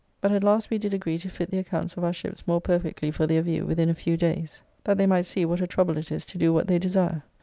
But at last we did agree to fit the accounts of our ships more perfectly for their view within a few days, that they might see what a trouble it is to do what they desire.